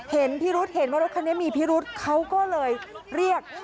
พิรุษเห็นว่ารถคันนี้มีพิรุษเขาก็เลยเรียก